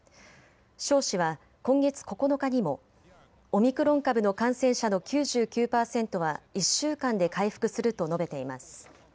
鍾氏は今月９日にもオミクロン株の感染者の９９％は１週間で回復すると述べています。